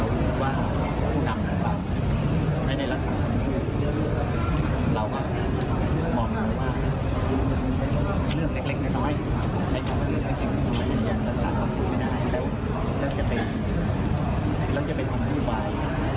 เป็นไปติดปนได้